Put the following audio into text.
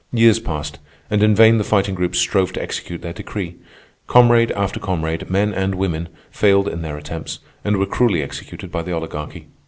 Years passed, and in vain the Fighting Groups strove to execute their decree. Comrade after comrade, men and women, failed in their attempts, and were cruelly executed by the Oligarchy.